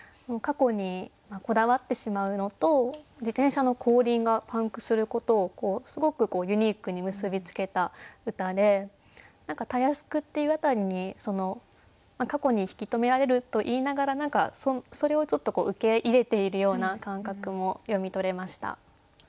過去にこだわってしまうのと自転車の後輪がパンクすることをすごくユニークに結び付けた歌で何か「たやすく」っていう辺りに過去に引き留められると言いながら何かそれをちょっと受け入れているような感覚も読み取れました。